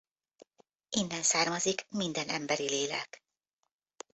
Innen származik minden emberi lélek.